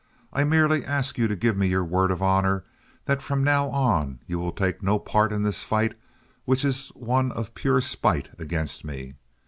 I merely ask you to give me your word of honor that from now on you will take no part in this fight which is one of pure spite against me.